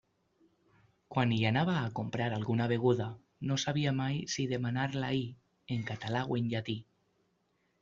Quan hi anava a comprar alguna beguda, no sabia mai si demanar-la-hi en català o en llatí.